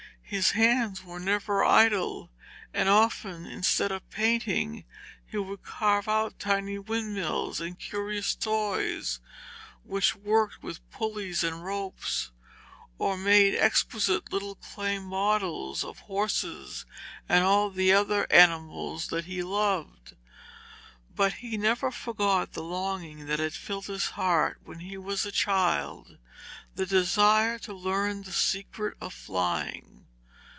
His hands were never idle, and often, instead of painting, he would carve out tiny windmills and curious toys which worked with pulleys and ropes, or made exquisite little clay models of horses and all the other animals that he loved. But he never forgot the longing that had filled his heart when he was a child the desire to learn the secret of flying.